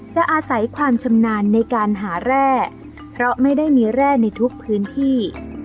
จะอาศัยความชำนาญในการหาแร่เพราะไม่ได้มีแร่ในทุกพื้นที่